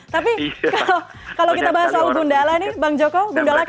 tapi kalau kita bahas soal gundala nih bang joko gundala